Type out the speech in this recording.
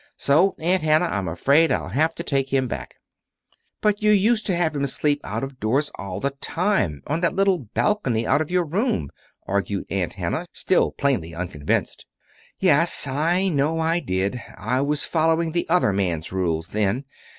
So, Aunt Hannah, I'm afraid I'll have to take him back." "But you used to have him sleep out of doors all the time, on that little balcony out of your room," argued Aunt Hannah, still plainly unconvinced. "Yes, I know I did. I was following the other man's rules, then.